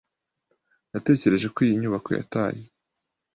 Natekereje ko iyi nyubako yataye.